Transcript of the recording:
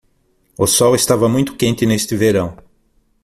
O sol estava muito quente neste verão.